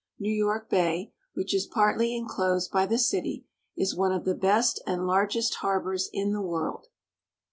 New York Bay, which is partly inclosed by the city, is one of the best and largest harbors in the world.